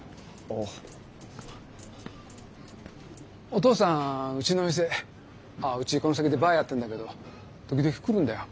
お父さんうちの店あうちこの先でバーやってるんだけど時々来るんだよ。